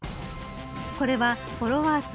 これはフォロワー数